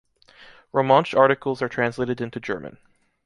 Romansh articles are translated into German.